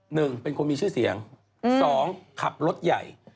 หนึ่งเป็นคนมีชื่อเสียงสองขับรถใหญ่